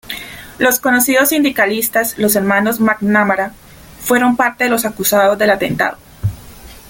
Los conocidos sindicalistas, los hermanos McNamara, fueron parte de los acusados del atentado.